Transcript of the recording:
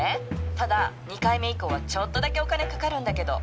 ただ２回目以降はちょっとだけお金かかるんだけど。